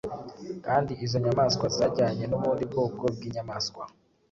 kandi izo nyamaswa zajyanye n’ubundi bwoko bw’inyamaswa